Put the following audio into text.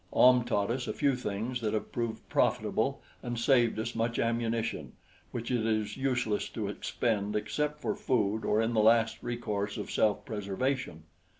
Ahm taught us a few things that have proved profitable and saved us much ammunition, which it is useless to expend except for food or in the last recourse of self preservation.